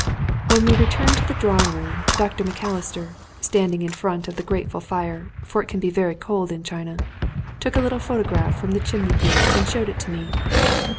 When we returned to the drawing room Dr. Macalister, standing in front of the grateful fire, for it can be very cold in China, took a little photograph from the chimney piece and showed it to me.